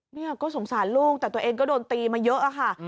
หน่อยก็สงสารลูกแต่ตัวเองก็โดนตีมายักษ์หรือคะ